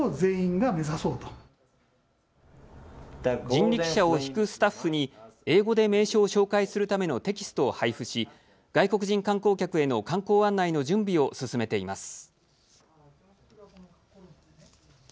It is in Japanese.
人力車を引くスタッフに英語で名所を紹介するためのテキストを配布し外国人観光客への観光案内の準備を進めています。